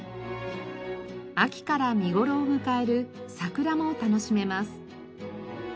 秋から見頃を迎えるサクラも楽しめます。